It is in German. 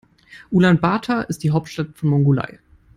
Ulaanbaatar ist die Hauptstadt von Mongolei.